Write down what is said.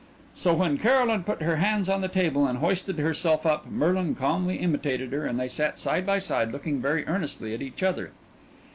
So when Caroline put her hands on the table and hoisted herself up Merlin calmly imitated her, and they sat side by side looking very earnestly at each other.